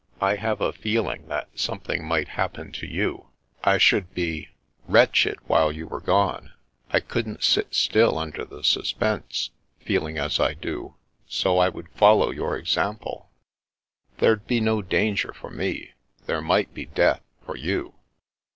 I have a feeling that some thing might happen to you. I should be — ^wretched while you were gone. I couldn't sit still under the suspense, feeling as I do. So I would follow your example." " There'd be no danger for me. There might be death for you."